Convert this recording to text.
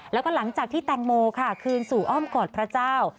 แล้วก็หลังจากที่แตงโมค่ะคืนสู่อ้อมกอดพระเจ้า